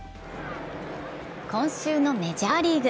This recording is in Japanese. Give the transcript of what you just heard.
今週のメジャーリーグ。